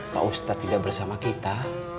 pak ustadz tidak bersama kita